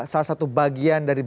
salah satu bagian dari